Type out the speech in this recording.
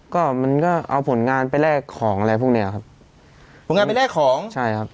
ก็มันก็เอาผลงานไปแลกของอะไรพวกเนี้ยครับผลงานไปแลกของใช่ครับ